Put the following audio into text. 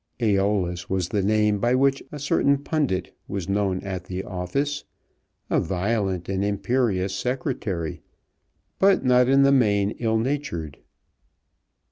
Æolus was the name by which a certain pundit was known at the office; a violent and imperious Secretary, but not in the main ill natured.